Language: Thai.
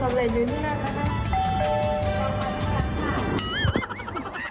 ความสำเร็จอยู่ที่ไหนความสำเร็จอยู่ที่ไหนนะคะ